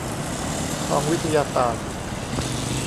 ทองวิทยาศาสตร์